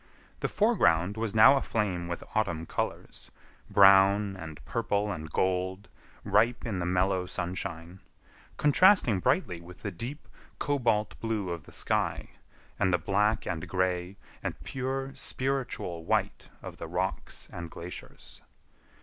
The foreground was now aflame with autumn colors, brown and purple and gold, ripe in the mellow sunshine; contrasting brightly with the deep, cobalt blue of the sky, and the black and gray, and pure, spiritual white of the rocks and glaciers.